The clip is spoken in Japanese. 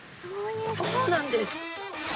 そうなんです。